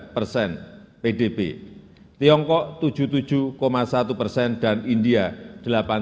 enam puluh enam tiga persen pdb tiongkok tujuh puluh tujuh satu persen dan india delapan puluh tiga tiga persen